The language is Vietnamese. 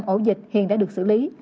chín mươi tám ổ dịch hiện đã được xử lý